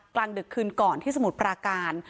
กลางดึกคืนก่อนที่สมุทรปราการ